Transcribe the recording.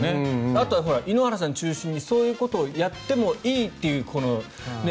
あと、井ノ原さん中心にそういうことをやってもいいという。